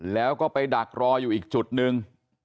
แล้วก็ไปดักรออยู่อีกจุดหนึ่ง